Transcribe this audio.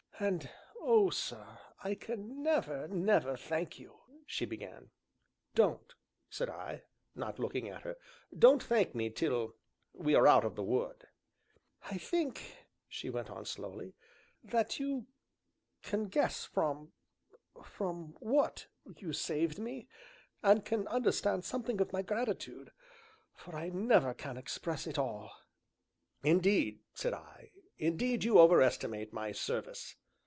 "And oh, sir! I can never, never thank you," she began. "Don't," said I, not looking at her; "don't thank me till we are out of the wood." "I think," she went on slowly, "that you can guess from from what you saved me, and can understand something of my gratitude, for I can never express it all." "Indeed," said I, "indeed you overestimate my service."